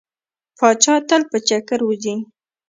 پاچا تل په چکر وځي.